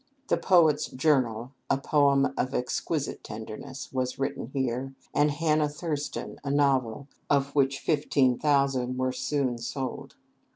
The "Poet's Journal," a poem of exquisite tenderness, was written here, and "Hannah Thurston," a novel, of which fifteen thousand were soon sold.